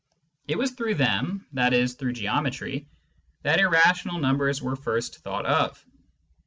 It was through them, i.e. through geometry, that irrational numbers were first thought of.